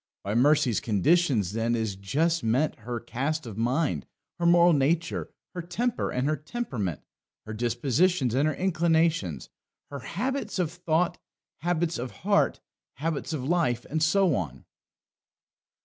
By Mercy's conditions, then, is just meant her cast of mind, her moral nature, her temper and her temperament, her dispositions and her inclinations, her habits of thought, habits of heart, habits of life, and so on.